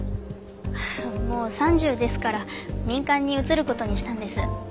もう３０ですから民間に移る事にしたんです。